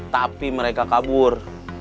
tapi mereka kabur